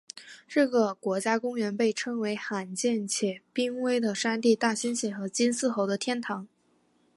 这个国家公园被称为罕见且濒危的山地大猩猩和金丝猴的天堂。